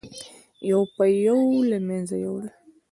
یو په یو یې له منځه یووړل.